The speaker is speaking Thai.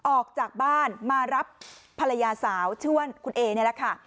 ออกจากบ้านมารับภรรยาสาวชื่อว่าคุณเอนี่แหละค่ะ